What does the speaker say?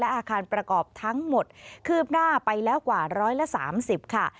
อาคารประกอบทั้งหมดคืบหน้าไปแล้วกว่า๑๓๐ค่ะ